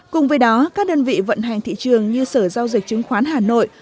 cùng với đó các đơn vị vận hành thị trường như sở giao dịch chứng khoán hà nội